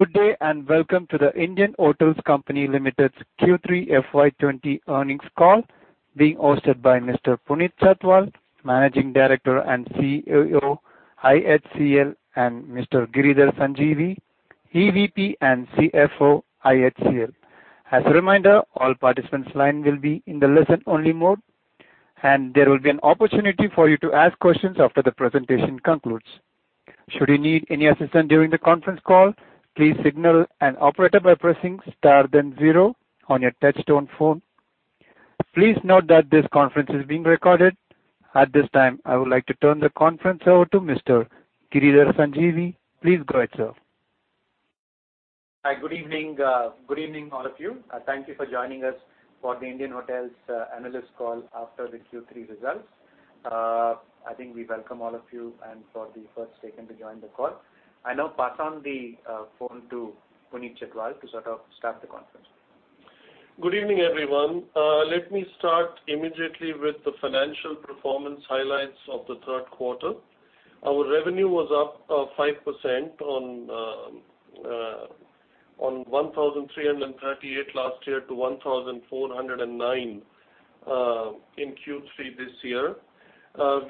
Good day, and welcome to The Indian Hotels Company Limited's Q3 FY 2020 Earnings Call, being hosted by Mr. Puneet Chhatwal, Managing Director and CEO, IHCL, and Mr. Giridhar Sanjeevi, EVP and CFO, IHCL. As a reminder, all participants' lines will be in the listen only mode, and there will be an opportunity for you to ask questions after the presentation concludes. Should you need any assistance during the conference call, please signal an operator by pressing star, then zero on your touch-tone phone. Please note that this conference is being recorded. At this time, I would like to turn the conference over to Mr. Giridhar Sanjeevi. Please go ahead, sir. Hi. Good evening, all of you. Thank you for joining us for the Indian Hotels analyst call after the Q3 results. I think we welcome all of you and for the first taken to join the call. I now pass on the phone to Puneet Chhatwal to start the conference. Good evening, everyone. Let me start immediately with the financial performance highlights of the third quarter. Our revenue was up 5% on 1,338 crore last year to 1,409 crore in Q3 this year.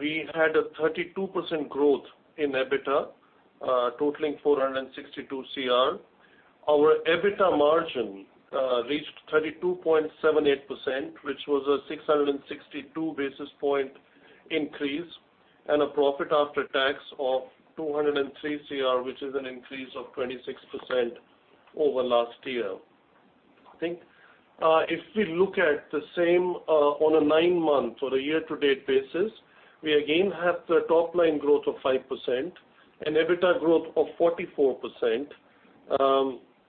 We had a 32% growth in EBITDA, totaling 462 crore. Our EBITDA margin reached 32.78%, which was a 662 basis point increase, and a profit after tax of 203 crore, which is an increase of 26% over last year. I think if we look at the same on a nine-month or a year-to-date basis, we again have the top line growth of 5% and EBITDA growth of 44%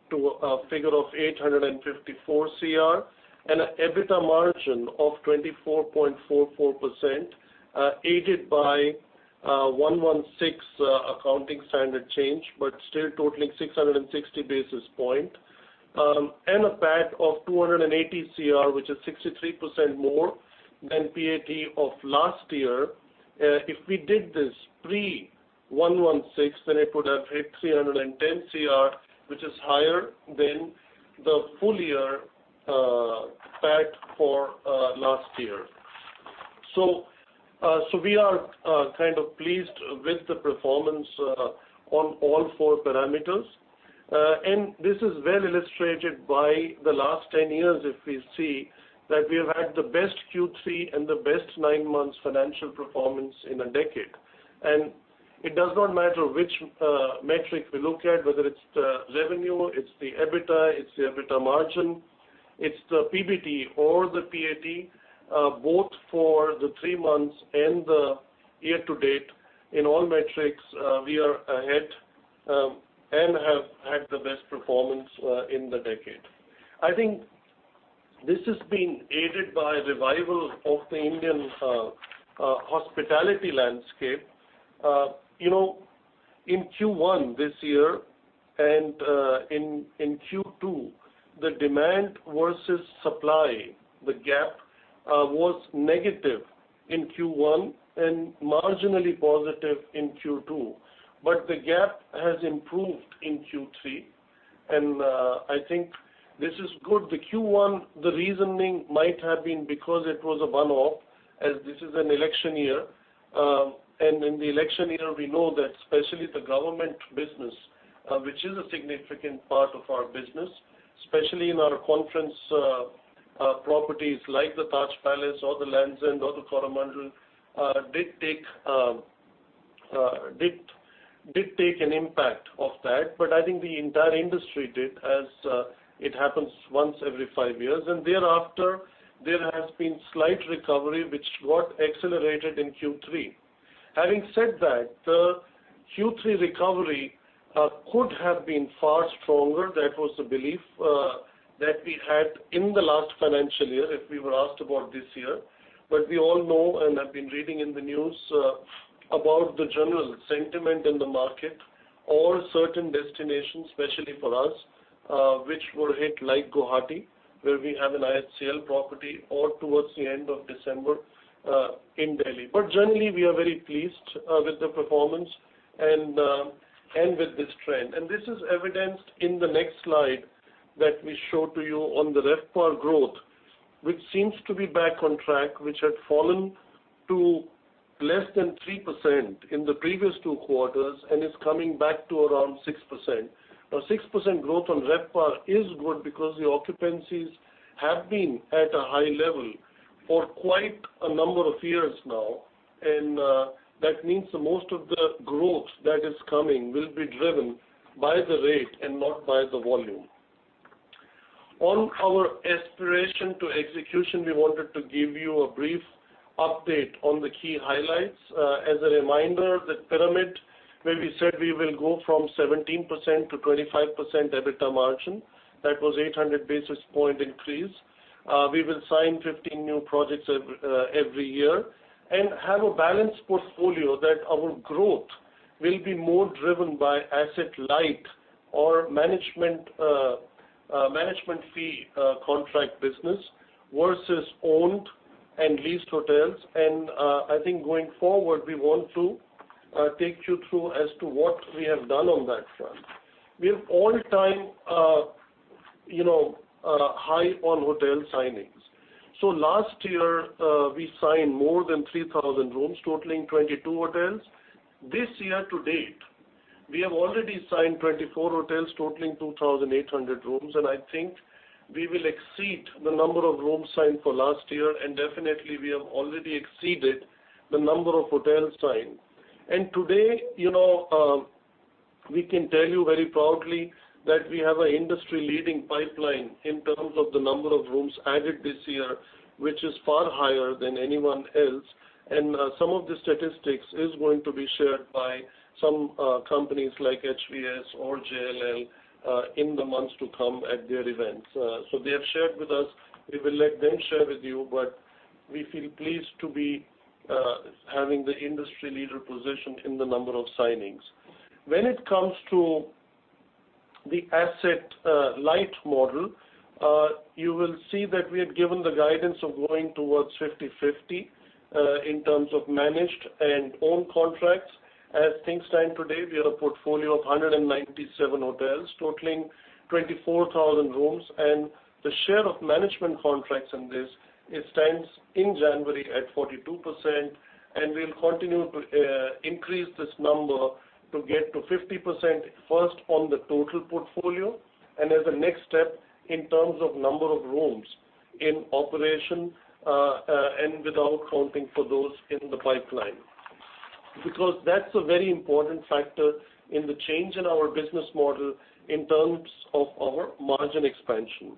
to a figure of 854 crore, and an EBITDA margin of 24.44%, aided by 116 accounting standard change, but still totaling 660 basis point. A PAT of 280 crore, which is 63% more than PAT of last year. If we did this pre 116, then it would have hit 310 crore, which is higher than the full year PAT for last year. We are kind of pleased with the performance on all four parameters. This is well illustrated by the last 10 years if we see, that we have had the best Q3 and the best nine months financial performance in a decade. It does not matter which metric we look at, whether it's the revenue, it's the EBITDA, it's the EBITDA margin, it's the PBT or the PAT, both for the three months and the year to date. In all metrics, we are ahead and have had the best performance in the decade. I think this has been aided by revival of the Indian hospitality landscape. In Q1 this year and in Q2, the demand versus supply, the gap was negative in Q1 and marginally positive in Q2. The gap has improved in Q3, and I think this is good. The Q1, the reasoning might have been because it was a one-off, as this is an election year. In the election year, we know that especially the government business, which is a significant part of our business, especially in our conference properties like the Taj Palace or the Lands End or the Coromandel, did take an impact of that. I think the entire industry did, as it happens once every five years. Thereafter, there has been slight recovery, which got accelerated in Q3. Having said that, the Q3 recovery could have been far stronger. That was the belief that we had in the last financial year if we were asked about this year. We all know and have been reading in the news about the general sentiment in the market or certain destinations, especially for us, which were hit like Guwahati, where we have an IHCL property or towards the end of December in Delhi. Generally, we are very pleased with the performance and with this trend. This is evidenced in the next slide that we show to you on the RevPAR growth, which seems to be back on track, which had fallen to less than 3% in the previous two quarters and is coming back to around 6%. 6% growth on RevPAR is good because the occupancies have been at a high level for quite a number of years now. That means the most of the growth that is coming will be driven by the rate and not by the volume. On our Aspiration to execution, we wanted to give you a brief update on the key highlights. As a reminder, that pyramid, where we said we will go from 17% to 25% EBITDA margin, that was 800 basis points increase. We will sign 15 new projects every year and have a balanced portfolio that our growth will be more driven by asset light or management fee contract business versus owned and leased hotels. I think going forward, we want to take you through as to what we have done on that front. We have all-time high on hotel signings. Last year, we signed more than 3,000 rooms totaling 22 hotels. This year to date, we have already signed 24 hotels totaling 2,800 rooms. I think we will exceed the number of rooms signed for last year, and definitely we have already exceeded the number of hotels signed. Today, we can tell you very proudly that we have an industry-leading pipeline in terms of the number of rooms added this year, which is far higher than anyone else. Some of the statistics is going to be shared by some companies like HVS or JLL in the months to come at their events. They have shared with us. We will let them share with you, but we feel pleased to be having the industry leader position in the number of signings. When it comes to the asset light model, you will see that we have given the guidance of going towards 50/50 in terms of managed and owned contracts. As things stand today, we have a portfolio of 197 hotels totaling 24,000 rooms, and the share of management contracts in this, it stands in January at 42%, and we'll continue to increase this number to get to 50% first on the total portfolio. As a next step, in terms of number of rooms in operation, and without accounting for those in the pipeline. That's a very important factor in the change in our business model in terms of our margin expansion.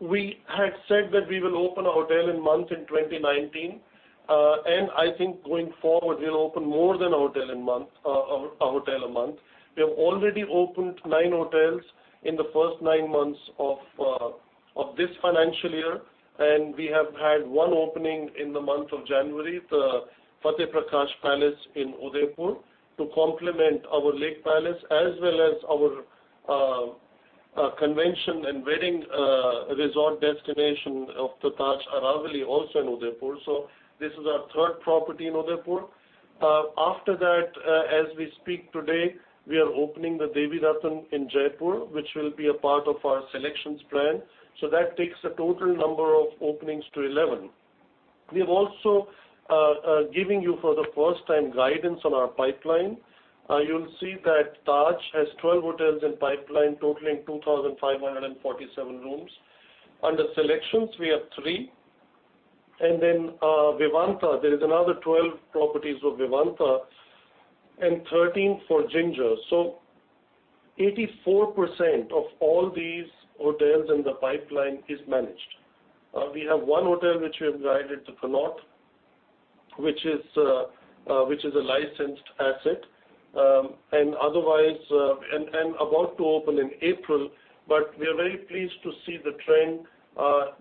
We had said that we will open a hotel a month in 2019. I think going forward, we'll open more than a hotel a month. We have already opened nine hotels in the first nine months of this financial year. We have had one opening in the month of January, the Fateh Prakash Palace in Udaipur to complement our Lake Palace as well as our convention and wedding resort destination of the Taj Aravali, also in Udaipur. This is our third property in Udaipur. After that, as we speak today, we are opening the Devi Ratn in Jaipur, which will be a part of our SeleQtions plan. That takes the total number of openings to 11. We have also giving you for the first time guidance on our pipeline. You will see that Taj has 12 hotels in pipeline totaling 2,547 rooms. Under SeleQtions, we have three. Vivanta, there is another 12 properties of Vivanta and 13 for Ginger. 84% of all these hotels in the pipeline is managed. We have one hotel which we have guided, The Connaught, which is a licensed asset. About to open in April, but we are very pleased to see the trend,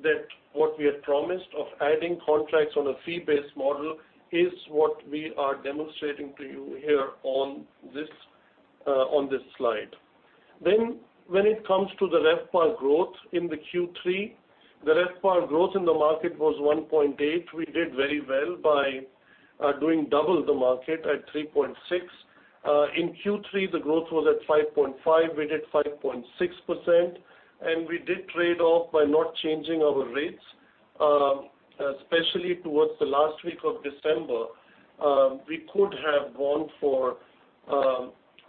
that what we had promised of adding contracts on a fee-based model is what we are demonstrating to you here on this slide. When it comes to the RevPAR growth in the Q3, the RevPAR growth in the market was 1.8. We did very well by doing double the market at 3.6. In Q3, the growth was at 5.5. We did 5.6%, and we did trade off by not changing our rates, especially towards the last week of December. We could have gone for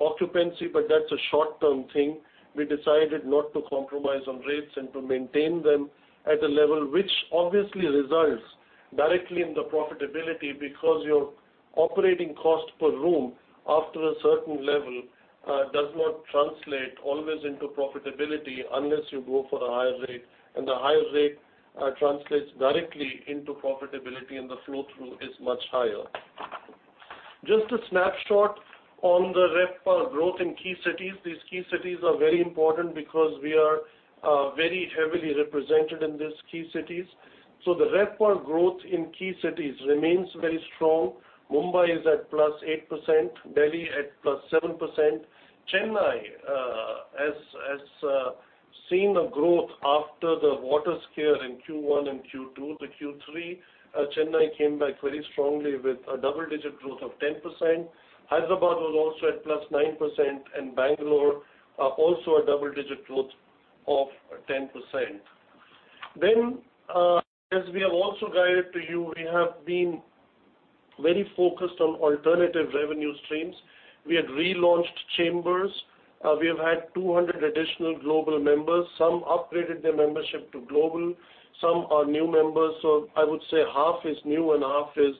occupancy, but that's a short-term thing. We decided not to compromise on rates and to maintain them at a level which obviously results directly in the profitability because your operating cost per room after a certain level, does not translate always into profitability unless you go for a higher rate, and the higher rate translates directly into profitability, and the flow through is much higher. Just a snapshot on the RevPAR growth in key cities. These key cities are very important because we are very heavily represented in these key cities. The RevPAR growth in key cities remains very strong. Mumbai is at +8%, Delhi at +7%. Chennai has seen a growth after the water scare in Q1 and Q2. The Q3, Chennai came back very strongly with a double-digit growth of 10%. Hyderabad was also at +9%, Bangalore also a double-digit growth of 10%. As we have also guided to you, we have been very focused on alternative revenue streams. We had relaunched The Chambers. We have had 200 additional global members. Some upgraded their membership to global. Some are new members. I would say half is new and half is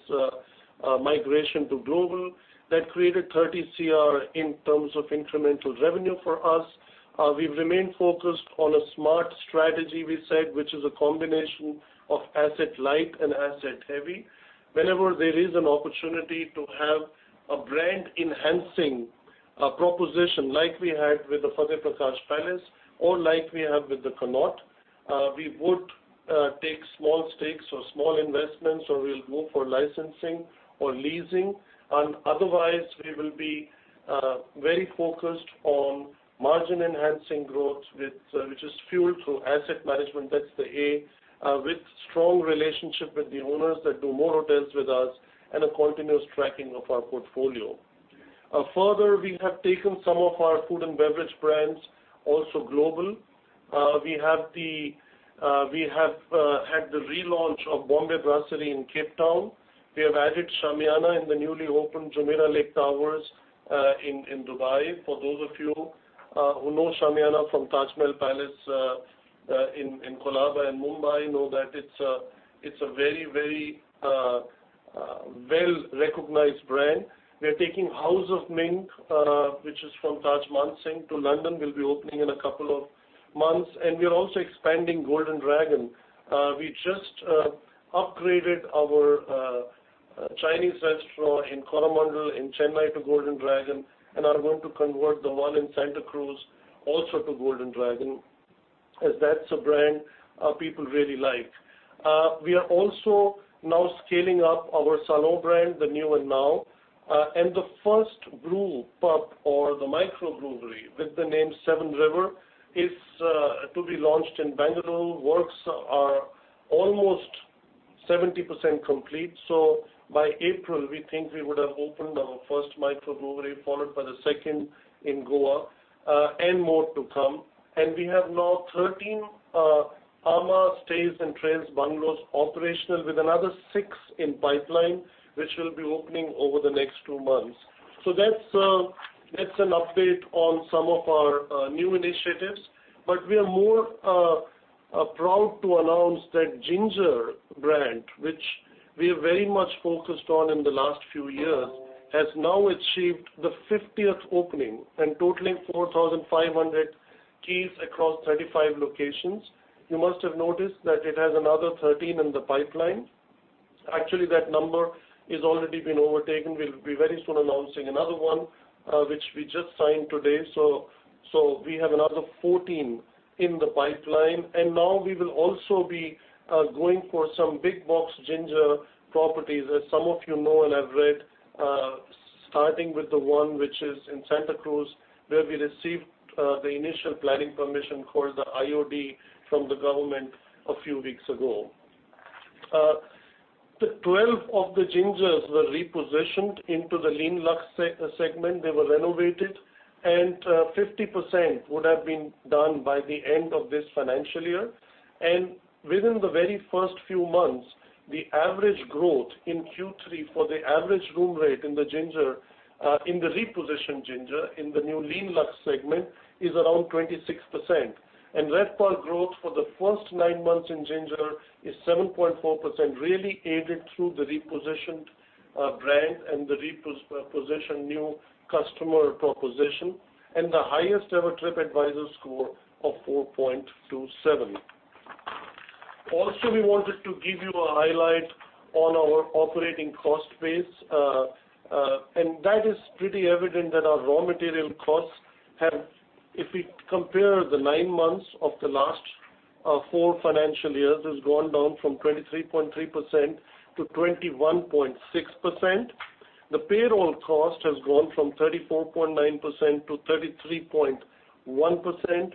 migration to global. That created 30 crore in terms of incremental revenue for us. We've remained focused on a smart strategy, we said, which is a combination of asset light and asset heavy. Whenever there is an opportunity to have a brand enhancing proposition like we had with the Fateh Prakash Palace or like we have with The Connaught. We would take small stakes or small investments, or we'll go for licensing or leasing. Otherwise, we will be very focused on margin-enhancing growth which is fueled through asset management, that's the A, with strong relationship with the owners that do more hotels with us, and a continuous tracking of our portfolio. Further, we have taken some of our food and beverage brands also global. We have had the relaunch of Bombay Brasserie in Cape Town. We have added Shamiana in the newly opened Jumeirah Lake Towers in Dubai. For those of you who know Shamiana from Taj Mahal Palace in Colaba in Mumbai know that it's a very well-recognized brand. We are taking House of Ming, which is from Taj Mansingh to London, will be opening in a couple of months. We are also expanding Golden Dragon. We just upgraded our Chinese restaurant in Coromandel in Chennai to Golden Dragon, and are going to convert the one in Santa Cruz also to Golden Dragon, as that's a brand people really like. We are also now scaling up our salon brand, the niu&nau, and the first brewpub or the microbrewery with the name Seven Rivers is to be launched in Bangalore. Works are almost 70% complete, so by April, we think we would have opened our first microbrewery, followed by the second in Goa, and more to come. We have now 13 amã Stays & Trails bungalows operational with another six in pipeline, which will be opening over the next two months. That's an update on some of our new initiatives. We are more proud to announce that Ginger, which we are very much focused on in the last few years, has now achieved the 50th opening and totaling 4,500 keys across 35 locations. You must have noticed that it has another 13 in the pipeline. Actually, that number is already been overtaken. We'll be very soon announcing another one which we just signed today. We have another 14 in the pipeline. Now we will also be going for some big box Ginger properties, as some of you know and have read, starting with the one which is in Santa Cruz, where we received the initial planning permission for the IOD from the government a few weeks ago. 12 of the Ginger were repositioned into the Lean Luxe segment. They were renovated, and 50% would have been done by the end of this financial year. Within the very first few months, the average growth in Q3 for the average room rate in the repositioned Ginger in the new Lean Luxe segment is around 26%. RevPAR growth for the first nine months in Ginger is 7.4%, really aided through the repositioned brand and the repositioned new customer proposition, and the highest ever TripAdvisor score of 4.27. Also, we wanted to give you a highlight on our operating cost base. That is pretty evident that our raw material costs have, if we compare the nine months of the last four financial years, has gone down from 23.3% to 21.6%. The payroll cost has gone from 34.9% to 33.1%.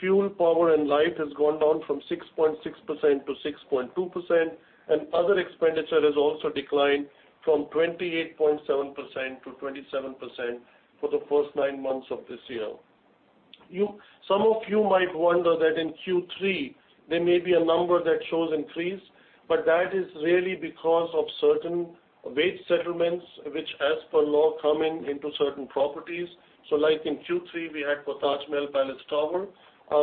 Fuel, power, and light has gone down from 6.6% to 6.2%, and other expenditure has also declined from 28.7% to 27% for the first nine months of this year. Some of you might wonder that in Q3, there may be a number that shows increase, but that is really because of certain wage settlements which as per law come in into certain properties. Like in Q3, we had for Taj Mahal Palace Tower,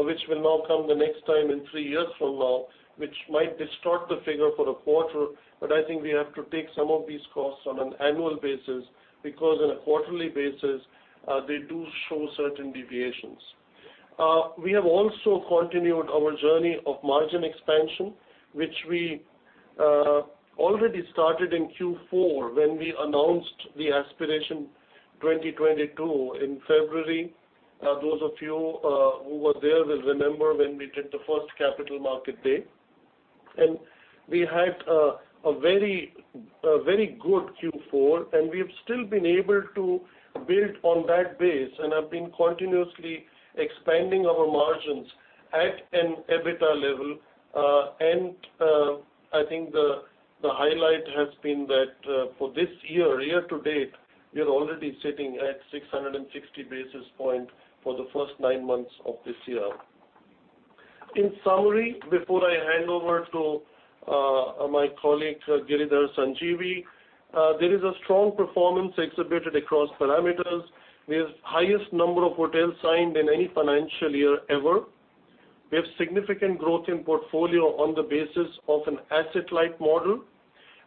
which will now come the next time in three years from now, which might distort the figure for a quarter. I think we have to take some of these costs on an annual basis, because on a quarterly basis, they do show certain deviations. We have also continued our journey of margin expansion, which we already started in Q4 when we announced the Aspiration 2022 in February. Those of you who were there will remember when we did the first capital market day. We had a very good Q4, and we've still been able to build on that base and have been continuously expanding our margins at an EBITDA level. I think the highlight has been that for this year to date, we are already sitting at 660 basis points for the first nine months of this year. In summary, before I hand over to my colleague, Giridhar Sanjeevi, there is a strong performance exhibited across parameters with highest number of hotels signed in any financial year ever. We have significant growth in portfolio on the basis of an asset-light model.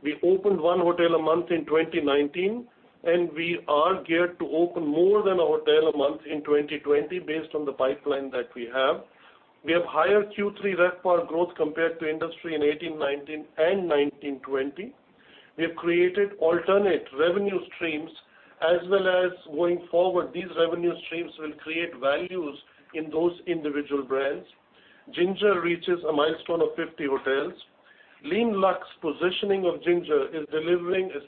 We opened one hotel a month in 2019, and we are geared to open more than a hotel a month in 2020 based on the pipeline that we have. We have higher Q3 RevPAR growth compared to industry in 2018, 2019 and 2019, 2020. We have created alternate revenue streams as well as going forward, these revenue streams will create values in those individual brands. Ginger reaches a milestone of 50 hotels. Lean Luxe positioning of Ginger is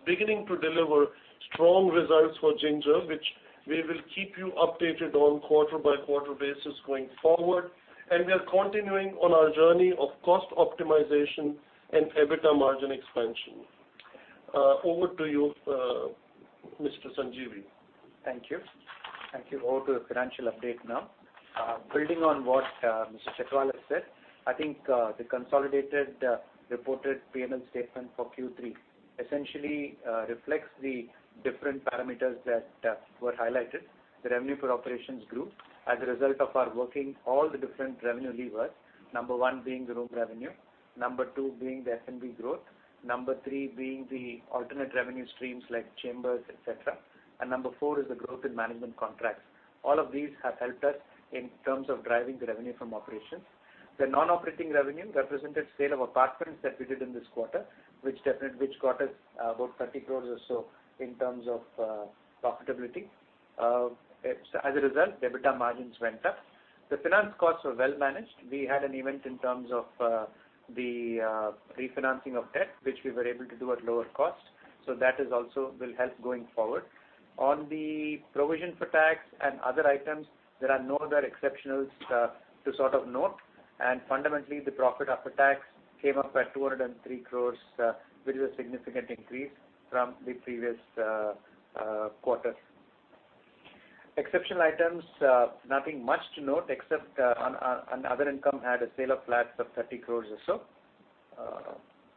beginning to deliver strong results for Ginger, which we will keep you updated on quarter by quarter basis going forward. We are continuing on our journey of cost optimization and EBITDA margin expansion. Over to you, Mr. Sanjeevi. Thank you. Thank you. Over to the financial update now. Building on what Mr. Chhatwal said, I think the consolidated reported P&L statement for Q3 essentially reflects the different parameters that were highlighted. The revenue for operations grew as a result of our working all the different revenue levers. Number one being the room revenue, number two being the F&B growth, number three being the alternate revenue streams like The Chambers, et cetera. Number 4 is the growth in management contracts. All of these have helped us in terms of driving the revenue from operations. The non-operating revenue represented sale of apartments that we did in this quarter, which got us about 30 crores or so in terms of profitability. As a result, EBITDA margins went up. The finance costs were well managed. We had an event in terms of the refinancing of debt, which we were able to do at lower cost. That also will help going forward. On the provision for tax and other items, there are no other exceptionals to note. Fundamentally, the profit after tax came up at 203 crores, which is a significant increase from the previous quarter. Exceptional items, nothing much to note except on other income, had a sale of flats of 30 crores or so.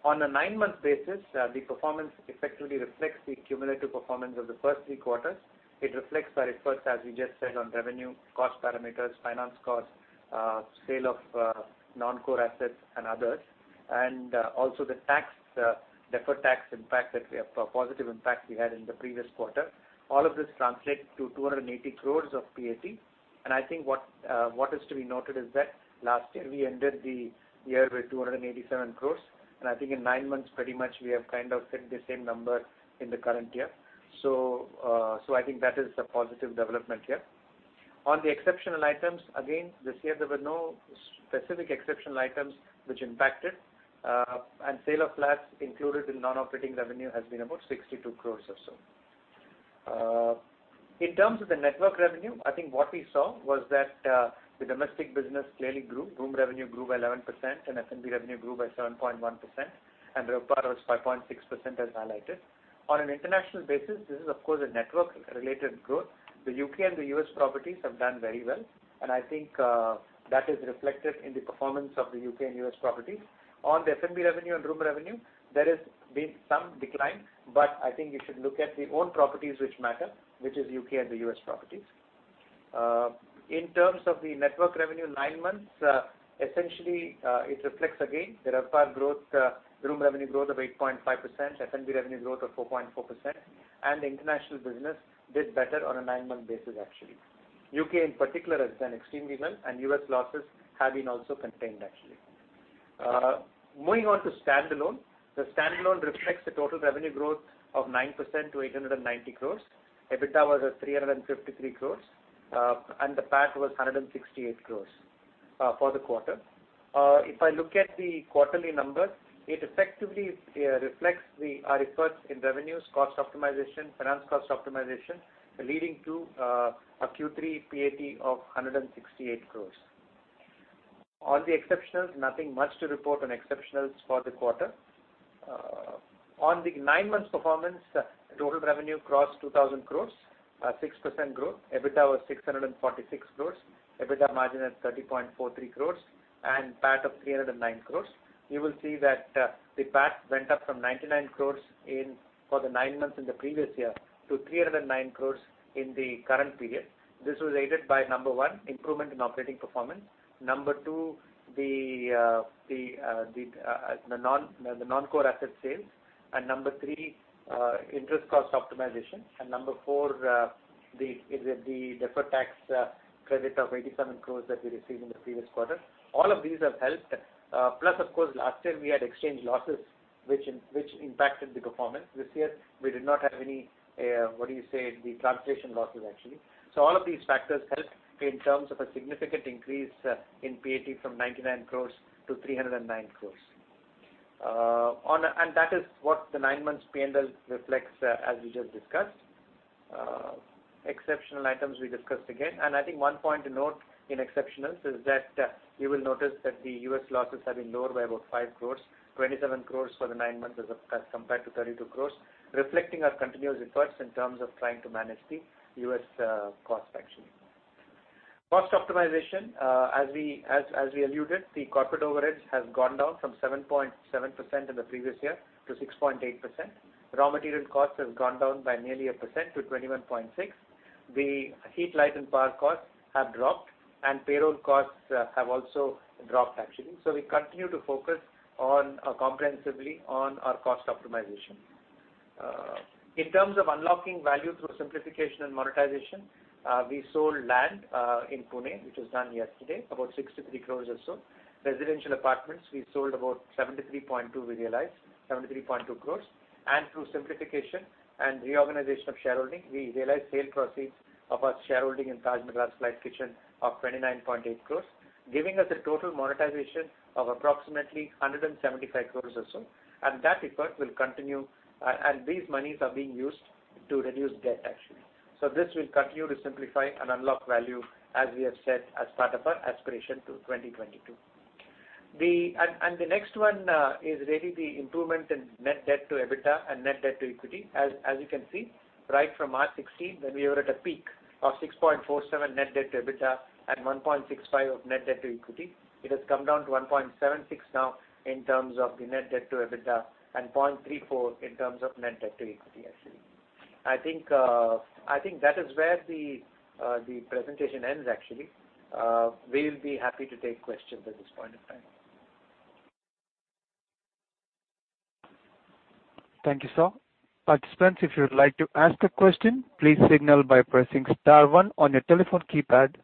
On a nine-month basis, the performance effectively reflects the cumulative performance of the first three quarters. It reflects our efforts, as we just said, on revenue cost parameters, finance cost, sale of non-core assets and others, and also the deferred tax impact, the positive impact we had in the previous quarter. All of this translates to 280 crores of PAT. I think what is to be noted is that last year we ended the year with 287 crore. I think in nine months, pretty much we have kind of hit the same number in the current year. I think that is a positive development here. On the exceptional items, again, this year there were no specific exceptional items which impacted. Sale of flats included in non-operating revenue has been about 62 crore or so. In terms of the network revenue, I think what we saw was that the domestic business clearly grew. Room revenue grew by 11%, and F&B revenue grew by 7.1%. RevPAR was 5.6% as highlighted. On an international basis, this is of course a network related growth. The U.K. and the U.S. properties have done very well, and I think that is reflected in the performance of the U.K. and U.S. properties. On the F&B revenue and room revenue, there has been some decline. I think you should look at the owned properties which matter, which is U.K. and the U.S. properties. In terms of the network revenue, nine months, essentially, it reflects again the RevPAR growth, room revenue growth of 8.5%, F&B revenue growth of 4.4%. The international business did better on a nine-month basis actually. U.K. in particular has done extremely well. U.S. losses have been also contained actually. Moving on to standalone. The standalone reflects the total revenue growth of 9% to 890 crores. EBITDA was at 353 crores. The PAT was 168 crores for the quarter. If I look at the quarterly numbers, it effectively reflects our efforts in revenues, cost optimization, finance cost optimization, leading to a Q3 PAT of 168 crores. On the exceptionals, nothing much to report on exceptionals for the quarter. On the nine months performance, total revenue crossed 2,000 crores, a 6% growth. EBITDA was 646 crores. EBITDA margin at 30.43% and PAT of 309 crores. You will see that the PAT went up from 99 crores for the nine months in the previous year to 309 crores in the current period. This was aided by number one, improvement in operating performance. Number two, the non-core asset sales. Number three, interest cost optimization. Number four, the deferred tax credit of 87 crores that we received in the previous quarter. All of these have helped. Plus, of course, last year we had exchange losses which impacted the performance. This year we did not have any, what do you say, the translation losses actually. All of these factors helped in terms of a significant increase in PAT from 99 crores to 309 crores. That is what the nine months P&L reflects as we just discussed. Exceptional items we discussed again. I think one point to note in exceptionals is that you will notice that the U.S. losses have been lower by about 5 crores, 27 crores for the nine months as compared to 32 crores, reflecting our continuous efforts in terms of trying to manage the U.S. cost actually. Cost optimization, as we alluded, the corporate overage has gone down from 7.7% in the previous year to 6.8%. Raw material cost has gone down by nearly 1% to 21.6%. The heat, light and power costs have dropped and payroll costs have also dropped actually. We continue to focus comprehensively on our cost optimization. In terms of unlocking value through simplification and monetization, we sold land in Pune, which was done yesterday, about 63 crores or so. Residential apartments, we sold about 73.2 crores. Through simplification and reorganization of shareholding, we realized sale proceeds of our shareholding in Taj Madras Flight Kitchen of 29.8 crores, giving us a total monetization of approximately 175 crores or so. That effort will continue, and these monies are being used to reduce debt actually. This will continue to simplify and unlock value as we have said as part of our Aspiration 2022. The next one is really the improvement in net debt to EBITDA and net debt to equity. As you can see, right from March 2016, when we were at a peak of 6.47 net debt to EBITDA and 1.65 of net debt to equity, it has come down to 1.76 now in terms of the net debt to EBITDA and 0.34 in terms of net debt to equity actually. I think that is where the presentation ends actually. We'll be happy to take questions at this point in time. Thank you, sir. Participants, if you would like to ask a question, please signal by pressing star one on your telephone keypad.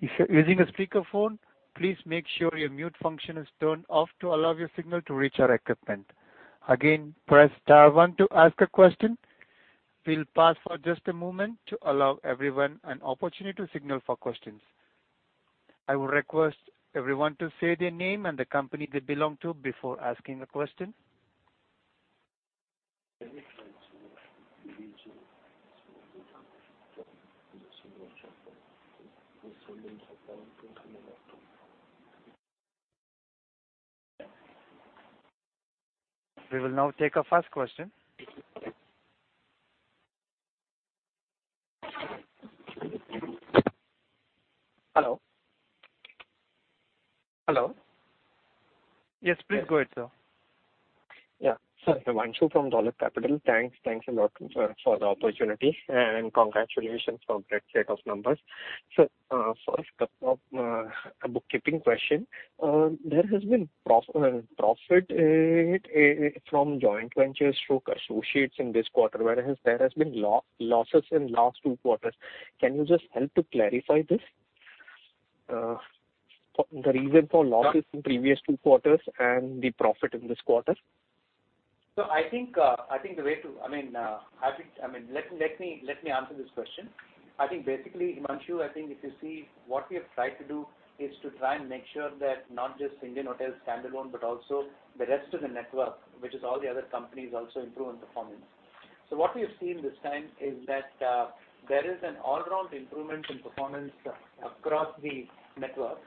If you're using a speaker phone, please make sure your mute function is turned off to allow your signal to reach our equipment. Again, press star one to ask a question. We'll pause for just a moment to allow everyone an opportunity to signal for questions. I would request everyone to say their name and the company they belong to before asking a question. We will now take our first question. Hello? Hello. Yes, please go ahead, sir. Sir, Himanshu from Dolat Capital. Thanks a lot for the opportunity, and congratulations for a great set of numbers. First up, a bookkeeping question. There has been profit from joint ventures through associates in this quarter, whereas there has been losses in last two quarters. Can you just help to clarify this? The reason for losses in previous two quarters and the profit in this quarter. I think, let me answer this question. I think basically, Himanshu, I think if you see what we have tried to do is to try and make sure that not just Indian Hotels standalone, but also the rest of the network, which is all the other companies also improve on performance. What we have seen this time is that there is an all-round improvement in performance across the network.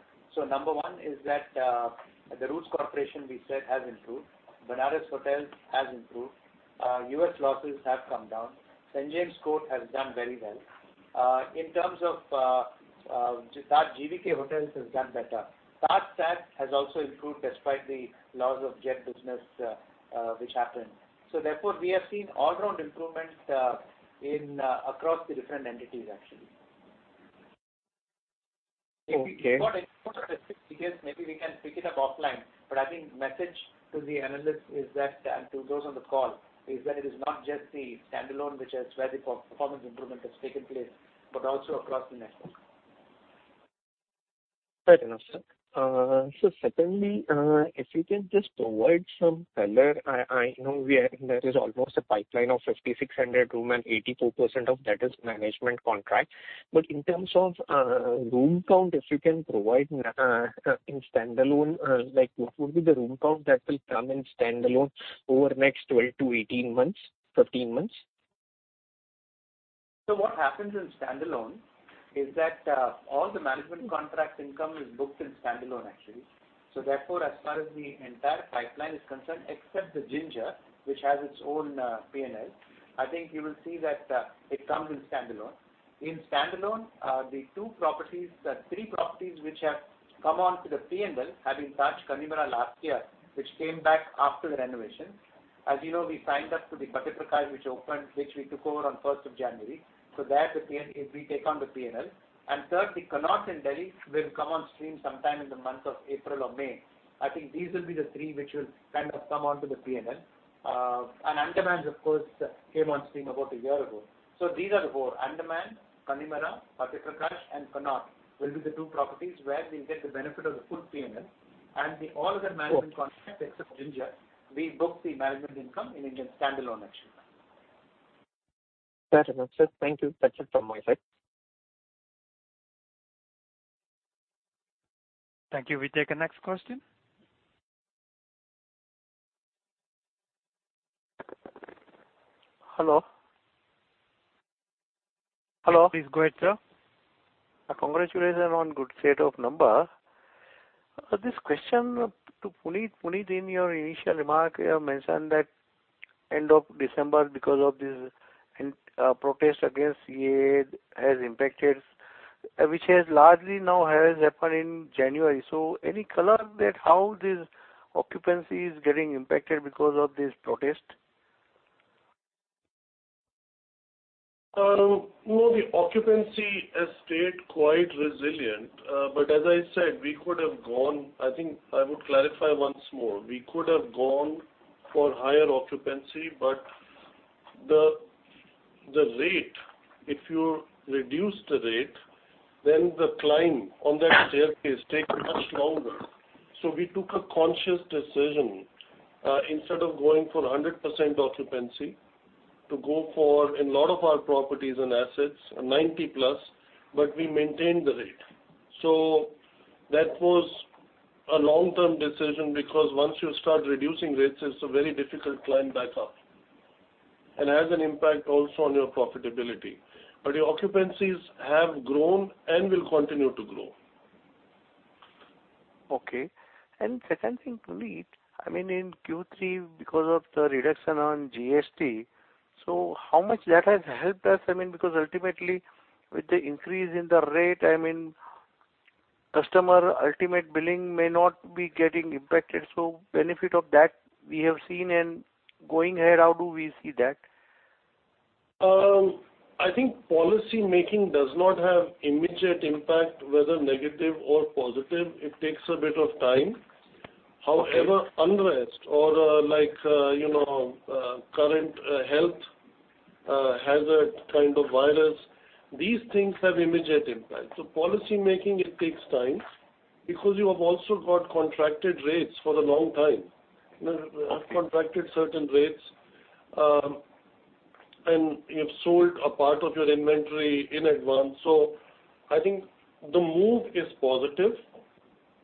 Number one is that the Roots Corporation we said has improved. Benares Hotels has improved. U.S. losses have come down. St. James' Court has done very well. In terms of GVK Hotels has done better. TajSATS has also improved despite the loss of jet business which happened. Therefore, we have seen all-round improvement across the different entities actually. Okay. If we got any more specific details, maybe we can pick it up offline. I think message to the analysts and to those on the call is that it is not just the standalone which is where the performance improvement has taken place, but also across the network. Fair enough, sir. Secondly, if you can just provide some color. I know there is almost a pipeline of 5,600 room and 84% of that is management contract. In terms of room count, if you can provide in standalone, like what will be the room count that will come in standalone over the next 12-18 months, 15 months? What happens in standalone is that all the management contract income is booked in standalone actually. As far as the entire pipeline is concerned, except the Ginger, which has its own P&L, I think you will see that it comes in standalone. In standalone, the three properties which have come onto the P&L having touched Kumarakom last year, which came back after the renovation. As you know, we signed up to the Fateh Prakash Palace which we took over on January 1st. That we take on the P&L. Third, the Connaught in Delhi will come on stream sometime in the month of April or May. I think these will be the three which will kind of come onto the P&L. Andamans, of course, came on stream about a year ago. These are the four, Andaman, [Kanimura], Fateh Prakash Palace and Connaught will be the two properties where we get the benefit of the full P&L. The all other management contracts except Ginger, we book the management income in Indian standalone actually. Fair enough, sir. Thank you. That's it from my side. Thank you. We take the next question. Hello. Hello. Please go ahead, sir. Congratulations on good state of number. This question to Puneet. Puneet, in your initial remark, you have mentioned that end of December because of this protest against CAA has impacted, which has largely now happened in January. Any color that how this occupancy is getting impacted because of this protest? The occupancy has stayed quite resilient. As I said, I think I would clarify once more. We could have gone for higher occupancy, but the rate, if you reduce the rate, then the climb on that staircase takes much longer. We took a conscious decision, instead of going for 100% occupancy, to go for a lot of our properties and assets, 90+, but we maintained the rate. That was a long-term decision because once you start reducing rates, it's a very difficult climb back up. It has an impact also on your profitability. Your occupancies have grown and will continue to grow. Okay. Second thing, Puneet, in Q3 because of the reduction on GST, how much that has helped us? Ultimately with the increase in the rate, customer ultimate billing may not be getting impacted. Benefit of that we have seen and going ahead, how do we see that? I think policymaking does not have immediate impact, whether negative or positive. It takes a bit of time. Okay. Unrest or like current health hazard kind of coronavirus, these things have immediate impact. Policy making, it takes time because you have also got contracted rates for a long time. Okay. You have contracted certain rates, and you have sold a part of your inventory in advance. I think the move is positive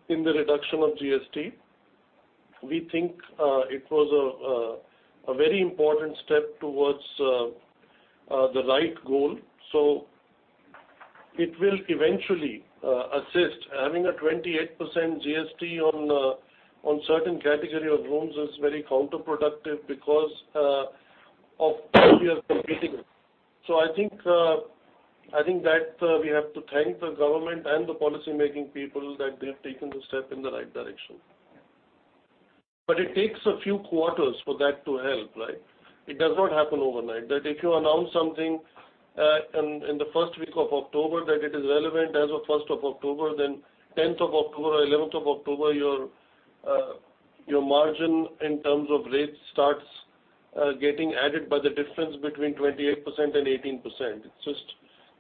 in the reduction of GST. We think it was a very important step towards the right goal, so it will eventually assist. Having a 28% GST on certain category of rooms is very counterproductive because of who we are competing with. I think that we have to thank the government and the policy making people that they have taken the step in the right direction. It takes a few quarters for that to help. It does not happen overnight, that if you announce something in the first week of October that it is relevant as of October 1st, then October 10th, October 11th, your margin in terms of rates starts getting added by the difference between 28% and 18%.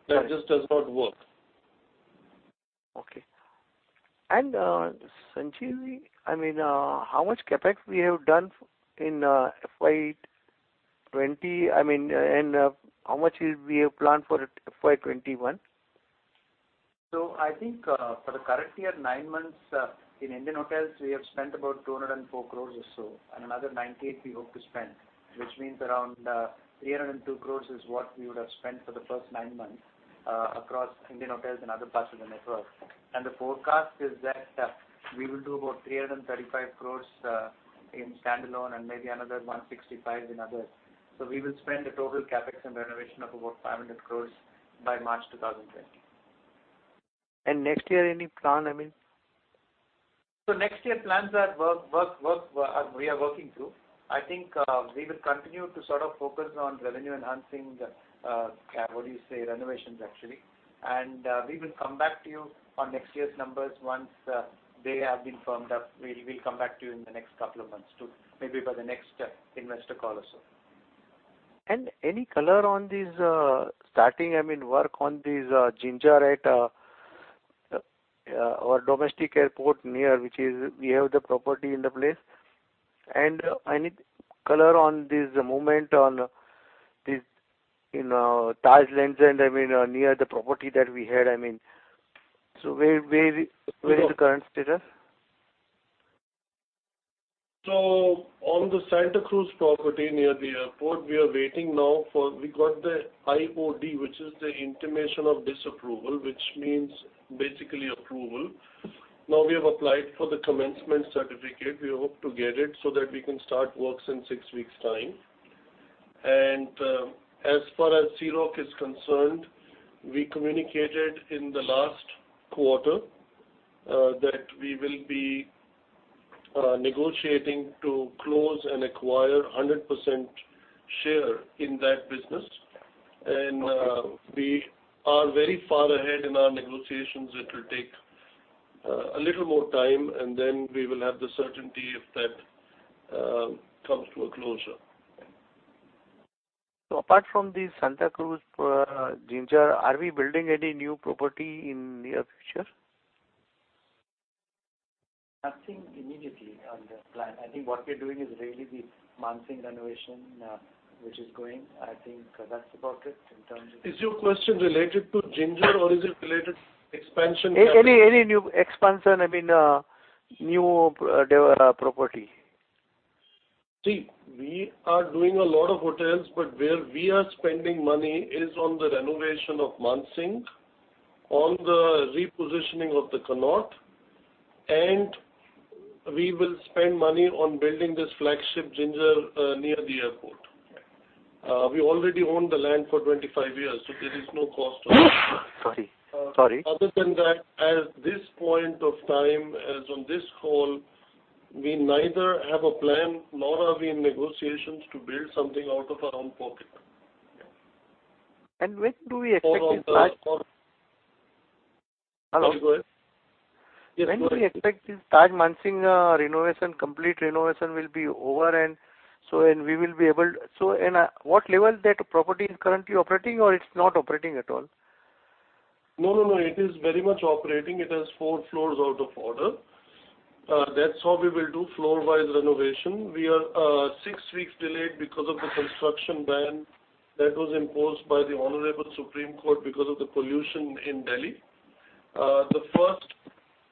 That just does not work. Okay. Sanjeevi, how much CapEx we have done in FY 2020, and how much we have planned for FY 2021? I think for the current year, nine months, in The Indian Hotels Company, we have spent about 204 crores or so, and another 98 we hope to spend, which means around 302 crores is what we would have spent for the first nine months across The Indian Hotels Company and other parts of the network. The forecast is that we will do about 335 crores in standalone and maybe another 165 in others. We will spend a total CapEx on renovation of about 500 crores by March 2020. Next year, any plan? Next year plans are we are working through. I think we will continue to sort of focus on revenue enhancing, renovations actually. We will come back to you on next year's numbers once they have been firmed up. We'll come back to you in the next couple of months too, maybe by the next investor call also. Any color on this starting work on this Ginger at our domestic airport near which we have the property in the place? Any color on this movement on this Taj Lands End near the property that we had? Where is the current status? On the Santa Cruz property near the airport, we are waiting now for we got the IOD, which is the Intimation of Disapproval, which means basically approval. We have applied for the commencement certificate. We hope to get it so that we can start works in six weeks' time. As far as Sea Rock is concerned, we communicated in the last quarter that we will be negotiating to close and acquire 100% share in that business. We are very far ahead in our negotiations. It will take a little more time, and then we will have the certainty if that comes to a closure. Apart from this Santa Cruz Ginger, are we building any new property in near future? Nothing immediately on the plan. I think what we're doing is really the Mansingh renovation which is going. Is your question related to Ginger or is it related expansion capital? Any new expansion, new property. We are doing a lot of hotels, but where we are spending money is on the renovation of Mansingh, on the repositioning of The Connaught, and we will spend money on building this flagship Ginger near the airport. We already own the land for 25 years, so there is no cost on that. Sorry. Other than that, at this point of time, as on this call, we neither have a plan nor are we in negotiations to build something out of our own pocket. When do we expect this Taj? No, go ahead. When do we expect this Taj Mansingh renovation, complete renovation will be over? At what level that property is currently operating or it's not operating at all? No, it is very much operating. It has four floors out of order. That's how we will do floor-wise renovation. We are six weeks delayed because of the construction ban that was imposed by the Honorable Supreme Court because of the pollution in Delhi. The first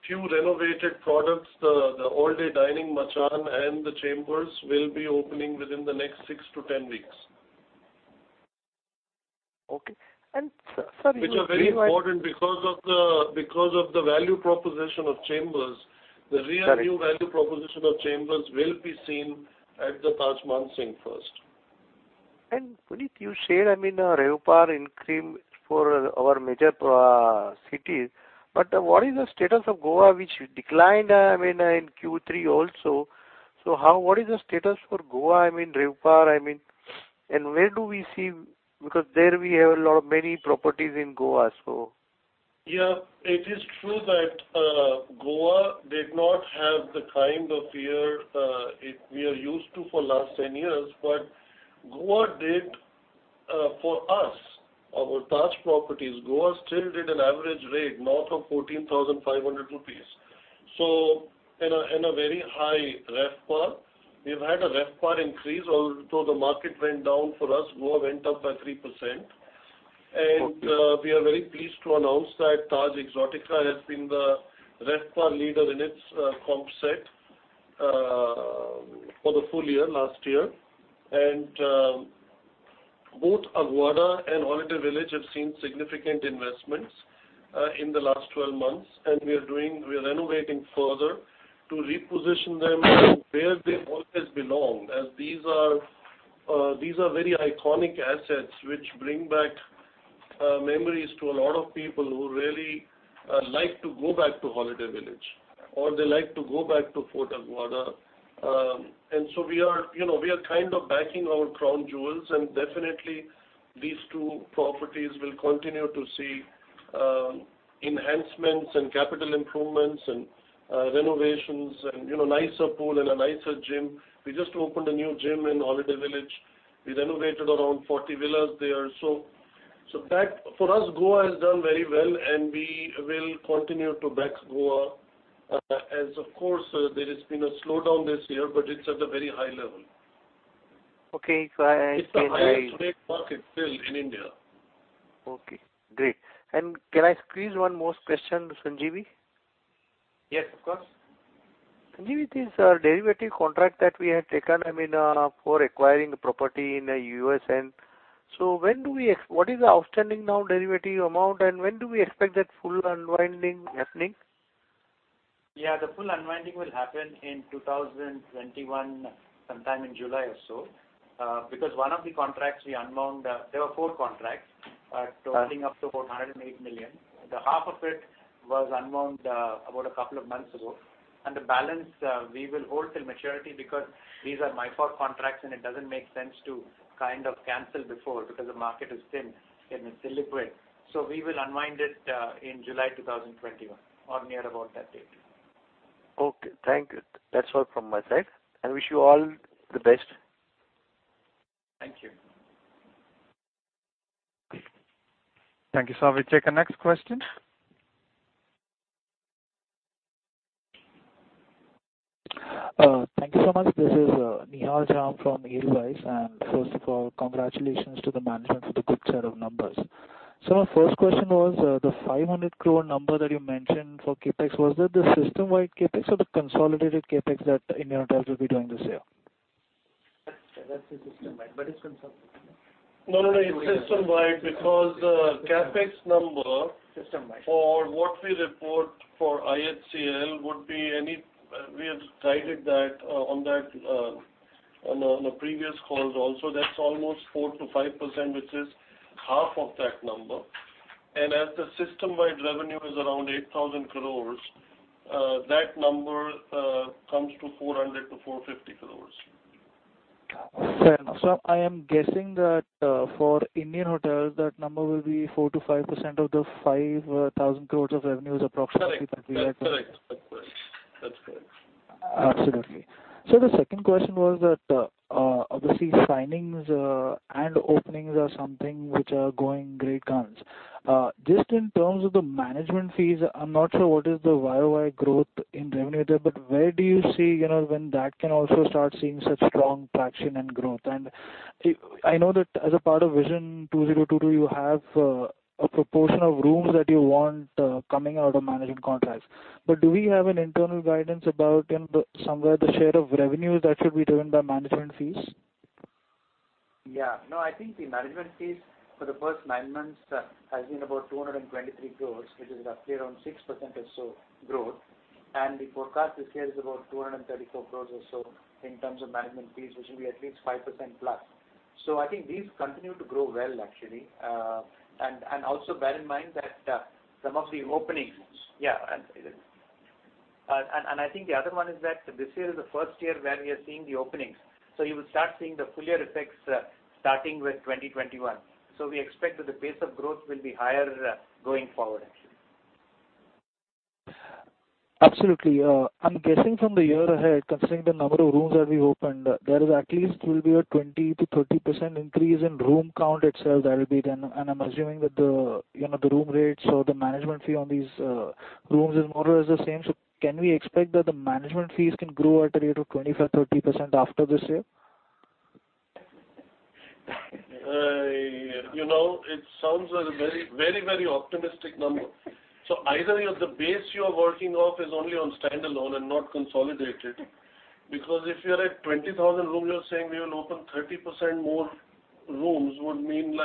few renovated products, the all-day dining Machan and The Chambers will be opening within the next 6-10 weeks. Okay. Which are very important because of the value proposition of The Chambers. The real new value proposition of The Chambers will be seen at the Taj Mansingh first. Puneet, you said RevPAR increase for our major cities. What is the status of Goa, which declined in Q3 also? What is the status for Goa, RevPAR? Where do we see, because there we have a lot of many properties in Goa? It is true that Goa did not have the kind of year we are used to for last 10 years. Goa did for us, our Taj properties, Goa still did an average rate north of 14,500 rupees. In a very high RevPAR. We've had a RevPAR increase, although the market went down for us, Goa went up by 3%. We are very pleased to announce that Taj Exotica has been the RevPAR leader in its comp set for the full year last year. Both Aguada and Holiday Village have seen significant investments in the last 12 months, we are renovating further to reposition them where they've always belonged, as these are very iconic assets which bring back memories to a lot of people who really like to go back to Holiday Village, or they like to go back to Fort Aguada. We are backing our crown jewels, and definitely these two properties will continue to see enhancements and capital improvements and renovations and nicer pool and a nicer gym. We just opened a new gym in Holiday Village. We renovated around 40 villas there. For us, Goa has done very well and we will continue to back Goa as, of course, there has been a slowdown this year, but it's at a very high level. Okay. It's the highest rate market still in India. Okay, great. Can I squeeze one more question to Sanjeevi? Yes, of course. Sanjeevi, this derivative contract that we have taken for acquiring the property in the U.S., and so what is the outstanding now derivative amount, and when do we expect that full unwinding happening? Yeah, the full unwinding will happen in 2021, sometime in July or so. One of the contracts we unwound, there were four contracts totaling up to about 108 million. Half of it was unwound about a couple of months ago. The balance, we will hold till maturity because these are MIFOR contracts, and it doesn't make sense to cancel before because the market is thin and illiquid. We will unwind it in July 2021 or near about that date. Okay, thank you. That's all from my side. I wish you all the best. Thank you. Thank you. We take the next question. Thank you so much. This is Nihal Jham from Edelweiss. First of all, congratulations to the management for the good set of numbers. My first question was the 500 crore number that you mentioned for CapEx, was that the system-wide CapEx or the consolidated CapEx that Indian Hotels will be doing this year? That's the system-wide, but it's consolidated. No, it's system-wide because the CapEx number- System-wide We have guided that on the previous calls also, that is almost 4%-5%, which is half of that number. As the system-wide revenue is around 8,000 crores, that number comes to 400 crores-450 crores. Fair enough. I am guessing that for Indian Hotels, that number will be 4%-5% of the 5,000 crores of revenues approximately that we had. Correct. That's correct. Absolutely. The second question was that, obviously signings and openings are something which are going great guns. Just in terms of the management fees, I'm not sure what is the YoY growth in revenue there, but where do you see when that can also start seeing such strong traction and growth? I know that as a part of Vision 2022, you have a proportion of rooms that you want coming out of management contracts. Do we have an internal guidance about somewhere the share of revenues that should be driven by management fees? Yeah. No, I think the management fees for the first nine months has been about 223 crore, which is roughly around 6% or so growth. The forecast this year is about 234 crore or so in terms of management fees, which will be at least 5%+. I think these continue to grow well, actually. Also bear in mind that some of the openings. Yeah. I think the other one is that this year is the first year where we are seeing the openings. You will start seeing the full year effects starting with 2021. We expect that the pace of growth will be higher going forward, actually. Absolutely. I'm guessing from the year ahead, considering the number of rooms that we opened, there is at least will be a 20%-30% increase in room count itself that will be done, and I'm assuming that the room rates or the management fee on these rooms is more or less the same. Can we expect that the management fees can grow at a rate of 25%, 30% after this year? It sounds like a very optimistic number. Either the base you're working off is only on standalone and not consolidated. If you're at 20,000 rooms, you're saying we will open 30% more rooms would mean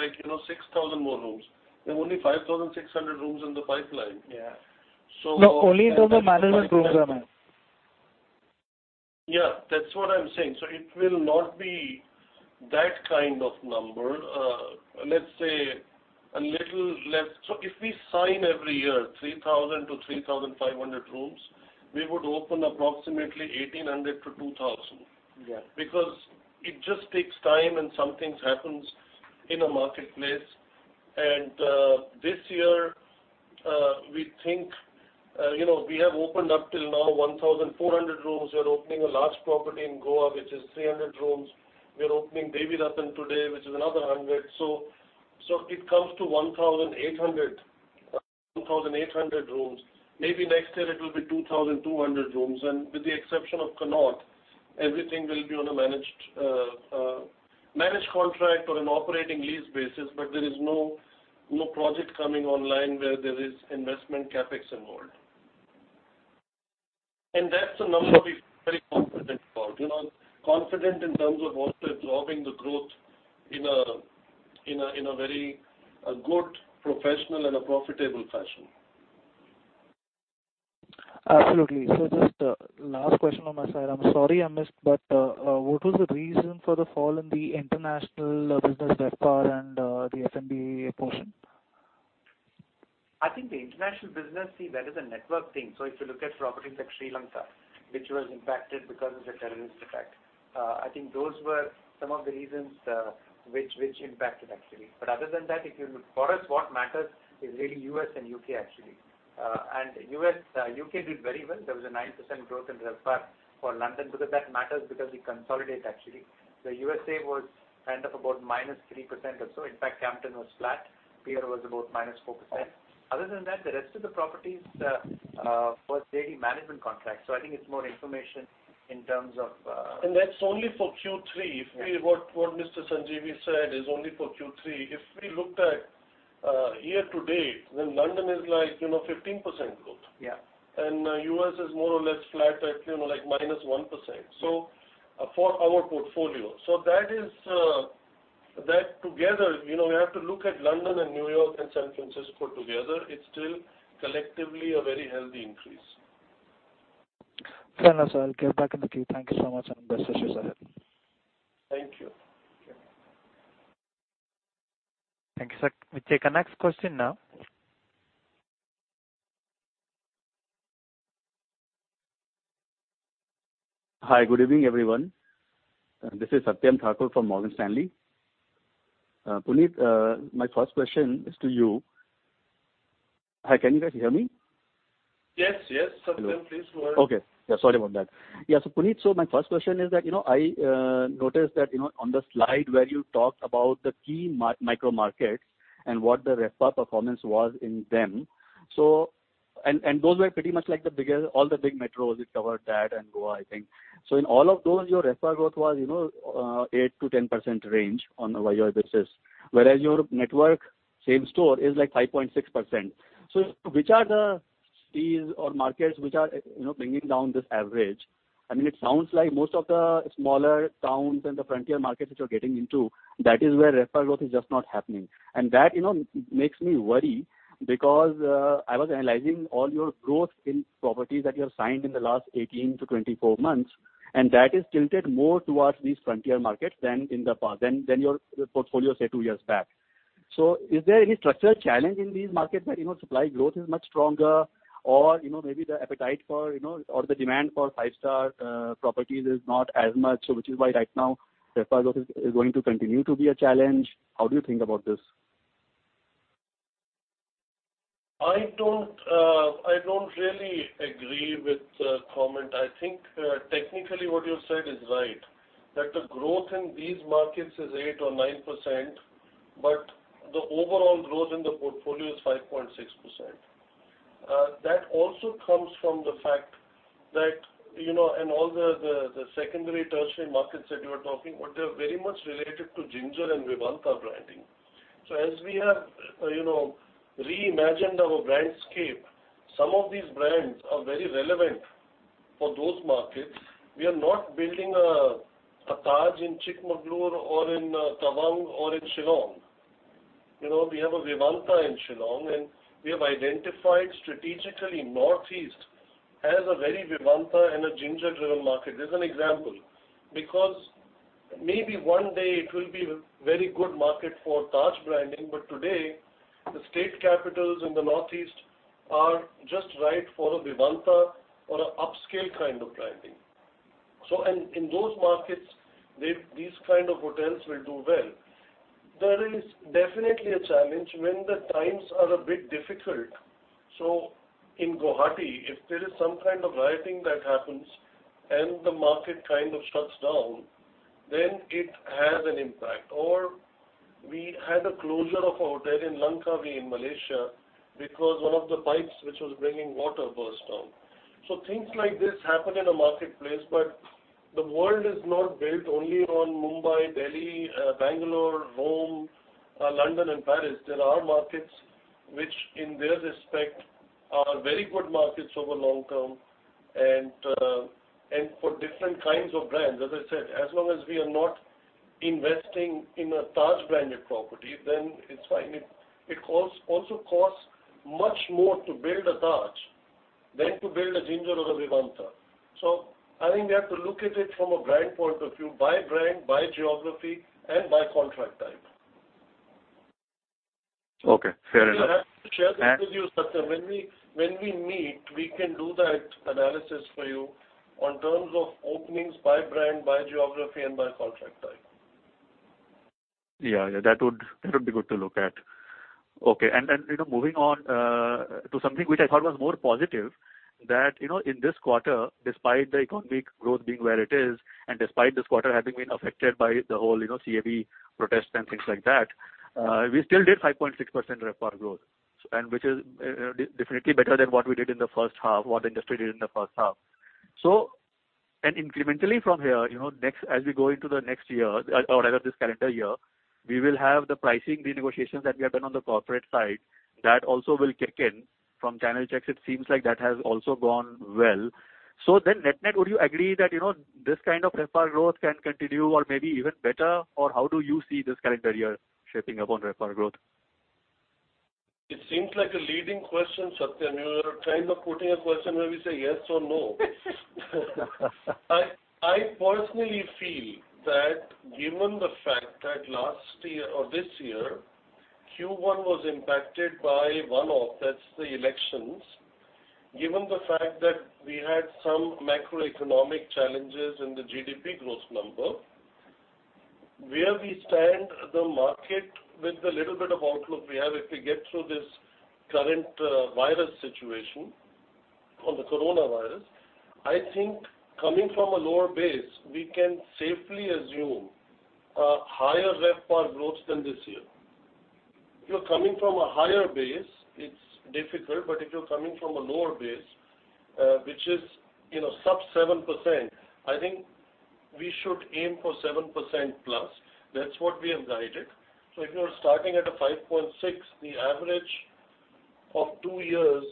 6,000 more rooms. There are only 5,600 rooms in the pipeline. Yeah. So- No, only in terms of management program. That's what I'm saying. It will not be that kind of number. Let's say a little less. If we sign every year 3,000-3,500 rooms, we would open approximately 1,800-2,000. Yeah. Because it just takes time and some things happens in a marketplace. This year, we think we have opened up till now 1,400 rooms. We are opening a large property in Goa, which is 300 rooms. We are opening Devi Ratn today, which is another 100. It comes to 1,800 rooms. Maybe next year it will be 2,200 rooms, and with the exception of Connaught, everything will be on a managed contract or an operating lease basis. There is no project coming online where there is investment CapEx involved. That's the number we're very confident about. Confident in terms of also absorbing the growth in a very good, professional, and a profitable fashion. Absolutely. Just last question on my side. I'm sorry, I missed, but what was the reason for the fall in the international business RevPAR and the F&B portion? I think the international business, see, that is a network thing. If you look at properties like Sri Lanka, which was impacted because of the terrorist attack, I think those were some of the reasons which impacted actually. Other than that, for us what matters is really U.S. and U.K. actually. U.K. did very well. There was a 9% growth in RevPAR for London because that matters, because we consolidate actually. The U.S. was kind of about -3% or so. In fact, Campton was flat. Pierre was about -4%. Other than that, the rest of the properties was daily management contracts. I think it's more information in terms of- That's only for Q3. What Mr. Sanjeevi said is only for Q3. If we looked at year to date, London is 15% growth. Yeah. U.S. is more or less flat at -1%. For our portfolio. That together, we have to look at London and New York and San Francisco together. It's still collectively a very healthy increase. Fair enough, sir. I'll get back in the queue. Thank you so much and best wishes ahead. Thank you. Thank you. Thank you, sir. We take our next question now. Hi. Good evening, everyone. This is Satyam Thakur from Morgan Stanley. Puneet, my first question is to you. Hi, can you guys hear me? Yes. Satyam, please go ahead. Okay. Yeah, sorry about that. Yeah. Puneet, my first question is that I noticed that on the slide where you talked about the key micro markets and what the RevPAR performance was in them, and those were pretty much all the big metros. It covered that and Goa, I think. In all of those, your RevPAR growth was 8%-10% range on a YoY basis, whereas your network same store is 5.6%. Which are the cities or markets which are bringing down this average? It sounds like most of the smaller towns and the frontier markets which you're getting into, that is where RevPAR growth is just not happening. That makes me worry because I was analyzing all your growth in properties that you have signed in the last 18-24 months, and that is tilted more towards these frontier markets than your portfolio, say, two years back. Is there any structural challenge in these markets that supply growth is much stronger or maybe the appetite for or the demand for five-star properties is not as much, which is why right now RevPAR growth is going to continue to be a challenge? How do you think about this? I don't really agree with the comment. I think technically what you said is right, that the growth in these markets is 8% or 9%, but the overall growth in the portfolio is 5.6%. That also comes from the fact that all the secondary, tertiary markets that you are talking about, they are very much related to Ginger and Vivanta branding. As we have reimagined our brandscape, some of these brands are very relevant for those markets. We are not building a Taj in Chikmagalur or in Tawang or in Shillong. We have a Vivanta in Shillong, and we have identified strategically Northeast as a very Vivanta and a Ginger-driven market. As an example, because maybe one day it will be a very good market for Taj branding, but today, the state capitals in the Northeast are just right for a Vivanta or an upscale kind of branding. In those markets, these kind of hotels will do well. There is definitely a challenge when the times are a bit difficult. In Guwahati, if there is some kind of rioting that happens and the market kind of shuts down, then it has an impact. We had a closure of a hotel in Langkawi in Malaysia because one of the pipes which was bringing water burst down. Things like this happen in a marketplace, but the world is not built only on Mumbai, Delhi, Bangalore, Rome, London, and Paris. There are markets which in their respect are very good markets over long term and for different kinds of brands. As I said, as long as we are not investing in a Taj branded property, then it's fine. It also costs much more to build a Taj than to build a Ginger or a Vivanta. I think we have to look at it from a brand point of view by brand, by geography, and by contract type. Okay. Fair enough. I have to share this with you, Satyam. When we meet, we can do that analysis for you in terms of openings by brand, by geography, and by contract type. Yeah. That would be good to look at. Okay. Then moving on to something which I thought was more positive, that in this quarter, despite the economic growth being where it is, and despite this quarter having been affected by the whole CAB protests and things like that, we still did 5.6% RevPAR growth, which is definitely better than what we did in the first half, what the industry did in the first half. Incrementally from here, as we go into the next year or rather this calendar year, we will have the pricing renegotiations that we have done on the corporate side that also will kick in. From channel checks, it seems like that has also gone well. Net net, would you agree that this kind of RevPAR growth can continue or maybe even better, or how do you see this calendar year shaping up on RevPAR growth? It seems like a leading question, Satyam. You are trying to put in a question where we say yes or no. I personally feel that given the fact that last year or this year, Q1 was impacted by one-off, that's the elections. Given the fact that we had some macroeconomic challenges in the GDP growth number, where we stand the market with the little bit of outlook we have, if we get through this current virus situation, on the coronavirus, I think coming from a lower base, we can safely assume a higher RevPAR growth than this year. If you're coming from a higher base, it's difficult. But if you're coming from a lower base, which is sub 7%, I think we should aim for 7% plus. That's what we have guided. If you're starting at a 5.6, the average of two years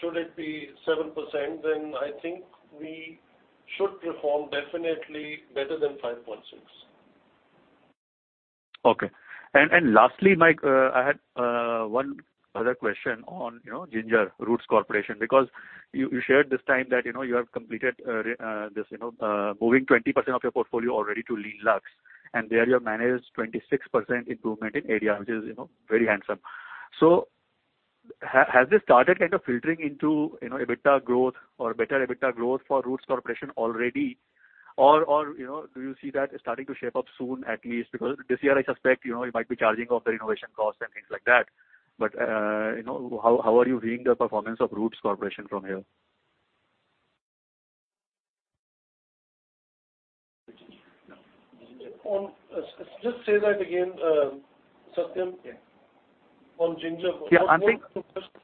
should it be 7%, then I think we should perform definitely better than 5.6. Okay. Lastly, Mike, I had one other question on Ginger Roots Corporation, because you shared this time that you have completed moving 20% of your portfolio already to Lean Luxe, and there you have managed 26% improvement in ADR, which is very handsome. Has this started kind of filtering into EBITDA growth or better EBITDA growth for Roots Corporation already? Do you see that starting to shape up soon, at least because this year, I suspect, you might be charging off the renovation costs and things like that. How are you reading the performance of Roots Corporation from here? Just say that again, Satyam. Yeah, I'm saying- What was the question?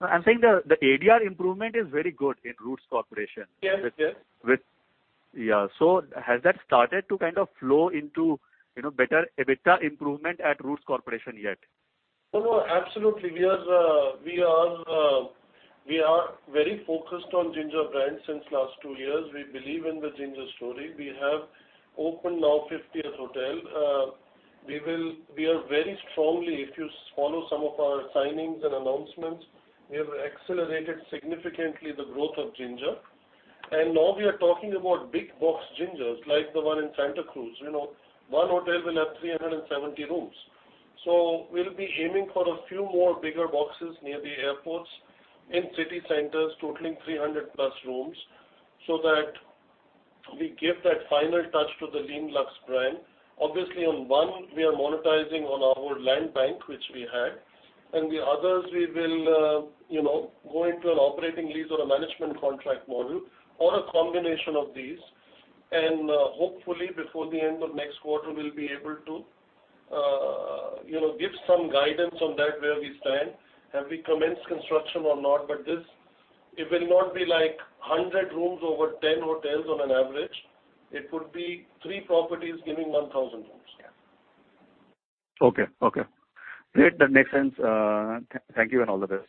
I'm saying the ADR improvement is very good in Roots Corporation. Yes. Yeah. Has that started to kind of flow into better EBITDA improvement at Roots Corporation yet? Oh, no. Absolutely. We are very focused on Ginger brand since last two years. We believe in the Ginger story. We have opened now 50th hotel. We are very strongly, if you follow some of our signings and announcements, we have accelerated significantly the growth of Ginger. Now we are talking about big box Gingers, like the one in Santa Cruz. One hotel will have 370 rooms. We'll be aiming for a few more bigger boxes near the airports in city centers totaling 300+ rooms, so that we give that final touch to the Lean Luxe brand. Obviously, on one, we are monetizing on our land bank which we had, and the others we will go into an operating lease or a management contract model or a combination of these. Hopefully before the end of next quarter, we will be able to give some guidance on that where we stand. Have we commenced construction or not? It will not be like 100 rooms over 10 hotels on an average. It would be three properties giving 1,000 rooms. Okay. Great. That makes sense. Thank you, and all the best.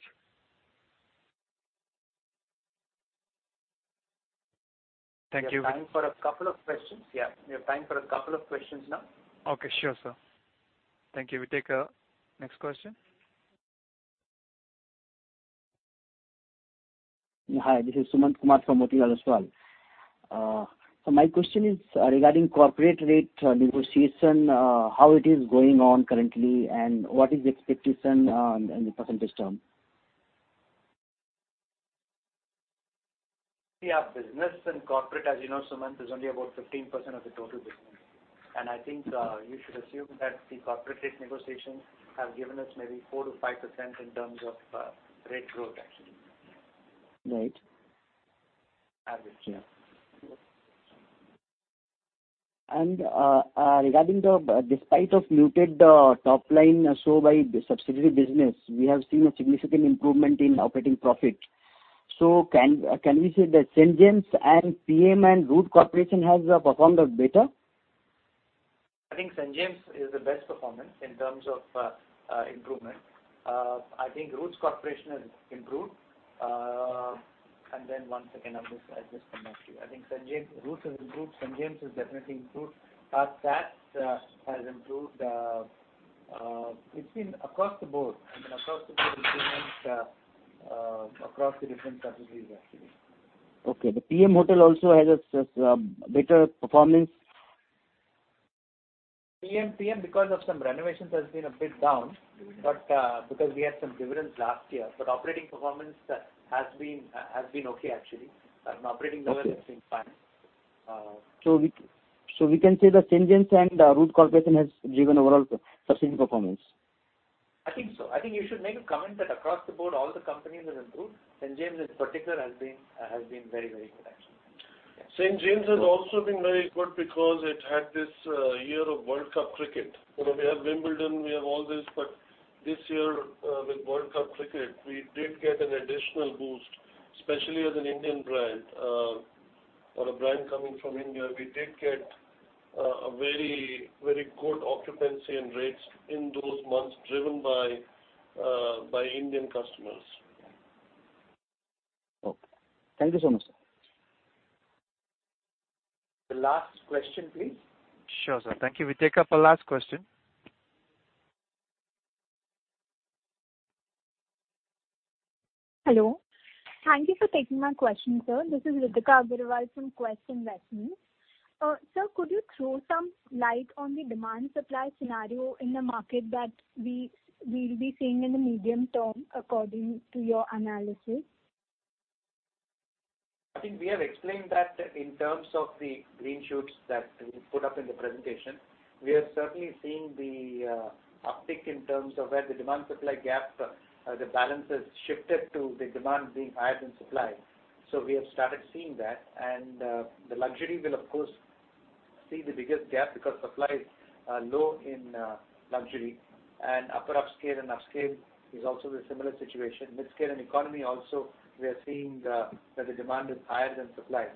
Thank you. We have time for a couple of questions. Yeah, we have time for a couple of questions now. Okay, sure, sir. Thank you. We take our next question. Hi, this is Sumant Kumar from Motilal Oswal. My question is regarding corporate rate negotiation, how it is going on currently and what is the expectation in the percentage term? Yeah, business and corporate, as you know, Sumant, is only about 15% of the total business. I think you should assume that the corporate rate negotiations have given us maybe 4%-5% in terms of rate growth, actually. Right. Average, yeah. Regarding the despite of muted top line show by the subsidiary business. We have seen a significant improvement in operating profit. Can we say that St. James and Piem and Roots Corporation have performed better? I think St. James is the best performance in terms of improvement. I think Roots Corporation has improved. One second, I'll just come back to you. I think Roots has improved, St. James has definitely improved. Taj has improved. It's been across the board. I mean, across the board improvements across the different categories, actually. Okay. The Piem Hotel also has a better performance? Piem, because of some renovations, has been a bit down because we had some dividends last year. Operating performance has been okay, actually. Operating level has been fine. We can say that St. James and Roots Corporation has driven overall sustained performance. I think so. I think you should make a comment that across the board, all the companies have improved. St. James' in particular has been very good, actually. St. James has also been very good because it had this year of Cricket World Cup. We have Wimbledon, we have all this, but this year with Cricket World Cup, we did get an additional boost. Especially as an Indian brand or a brand coming from India, we did get a very good occupancy and rates in those months driven by Indian customers. Okay. Thank you so much, sir. The last question, please. Sure, sir. Thank you. We take up our last question. Hello. Thank you for taking my question, sir. This is Ritika Agarwal from Quest Investment. Sir, could you throw some light on the demand-supply scenario in the market that we will be seeing in the medium term according to your analysis? I think we have explained that in terms of the green shoots that we put up in the presentation. We are certainly seeing the uptick in terms of where the demand-supply gap, the balance has shifted to the demand being higher than supply. We have started seeing that. The luxury will, of course, see the biggest gap because supply is low in luxury. Upper upscale and upscale is also the similar situation. Midscale and economy also, we are seeing that the demand is higher than supply.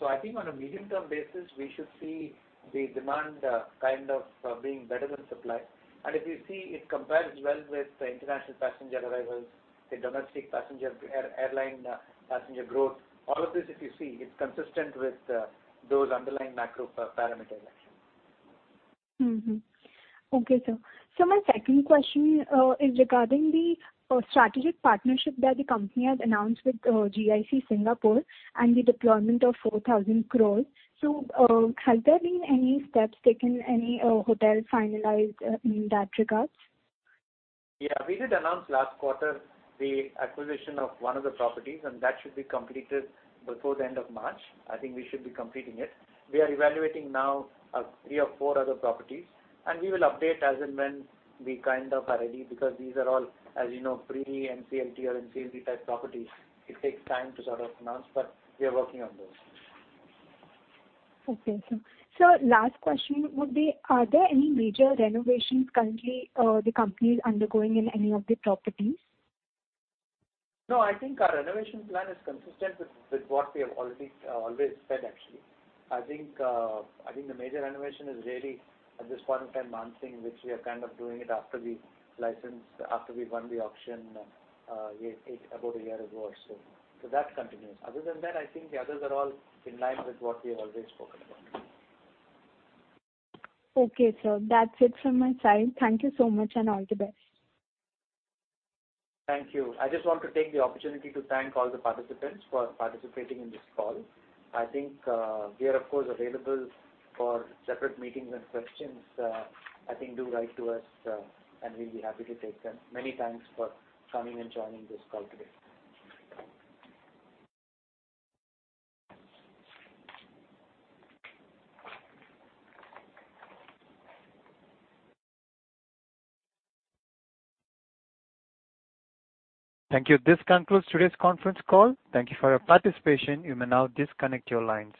I think on a medium-term basis, we should see the demand kind of being better than supply. If you see, it compares well with the international passenger arrivals, the domestic airline passenger growth. All of this, if you see, it's consistent with those underlying macro parameters, actually. Mm-hmm. Okay, sir. My second question is regarding the strategic partnership that the company has announced with GIC Singapore and the deployment of 4,000 crore. Has there been any steps taken, any hotel finalized in that regard? Yeah. We did announce last quarter the acquisition of one of the properties, and that should be completed before the end of March. I think we should be completing it. We are evaluating now three or four other properties, and we will update as and when we kind of are ready because these are all, as you know, pre-NCLT or NCLT type properties. It takes time to sort of announce, but we are working on those. Okay, sir. Sir, last question would be, are there any major renovations currently the company is undergoing in any of the properties? No, I think our renovation plan is consistent with what we have always said, actually. I think the major renovation is really at this point in time, Mansingh, which we are kind of doing it after we won the auction about a year ago or so. That continues. Other than that, I think the others are all in line with what we have always spoken about. Okay, sir. That's it from my side. Thank you so much, and all the best. Thank you. I just want to take the opportunity to thank all the participants for participating in this call. I think we are, of course, available for separate meetings and questions. I think do write to us, and we'll be happy to take them. Many thanks for coming and joining this call today. Thank you. This concludes today's conference call. Thank you for your participation. You may now disconnect your lines.